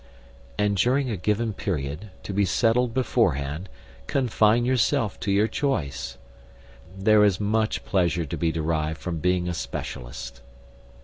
And during a given period, to be settled beforehand, confine yourself to your choice. There is much pleasure to be derived from being a specialist.